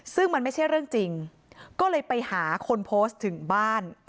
ซึ่งมันไม่ใช่เรื่องจริงก็เลยไปหาคนโพสต์ถึงบ้าน